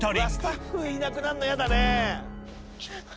スタッフいなくなんの嫌だね。